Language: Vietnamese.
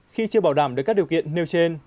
khi chưa bảo đảm được các điều kiện nêu trên